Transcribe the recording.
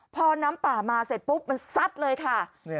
พอน้ำป่ามาเสร็จปุ๊บมันสัดเลยครับเนี่ย